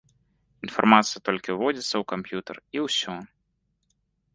Інфармацыя толькі ўводзіцца ў камп'ютар, і ўсё.